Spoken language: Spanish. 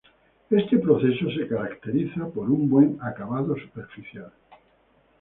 Este proceso se caracteriza por un buen acabado superficial